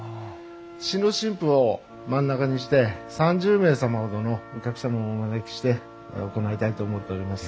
新郎新婦を真ん中にして３０名様ほどのお客様をお招きして行いたいと思っております。